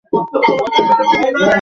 কিন্তু আমাদের সবার কী হবে?